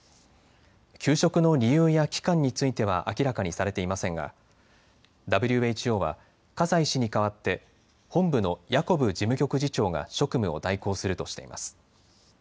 休職の理由や期間については明らかにされていませんがＷＨＯは葛西氏に代わって本部のヤカブ事務局次長が職務を代行するとしています。